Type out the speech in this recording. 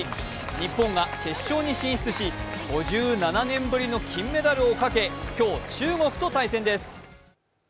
日本は決勝に進出し５７年ぶりの金メダルをかけ、今日、中国と対戦です。